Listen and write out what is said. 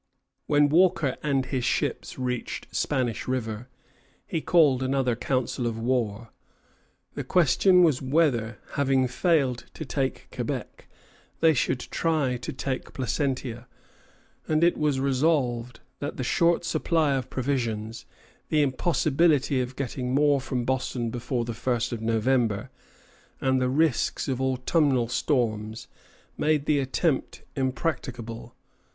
When Walker and his ships reached Spanish River, he called another council of war. The question was whether, having failed to take Quebec, they should try to take Placentia; and it was resolved that the short supply of provisions, the impossibility of getting more from Boston before the first of November, and the risks of the autumnal storms, made the attempt impracticable.